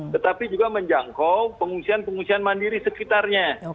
tetapi juga menjangkau pengungsian pengungsian mandiri sekitarnya